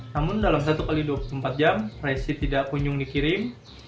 namun dalam satu x dua puluh empat jam resi tidak kunjung dikirim